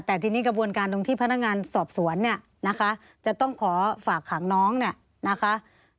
แต่ทีนี้กระบวนการตรงที่พนักงานสอบสวนเนี่ยนะคะจะต้องขอฝากขังน้องเนี่ยนะคะ